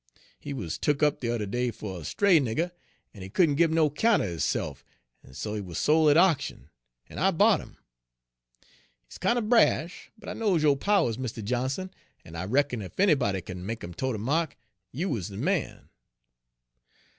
He wuz tuk up de yuther day fer a stray nigger, en he couldn' gib no 'count er hisse'f, en so he wuz sol' at oction, en I bought 'im. He's kinder brash, but I knows yo' powers, Mistah Johnson, en I reckon ef anybody kin make 'im toe de ma'k, you is de man.'